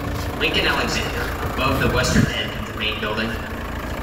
Lincoln Alexander, above the western end of the main building.